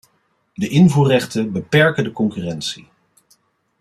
De invoerrechten beperken de concurrentie.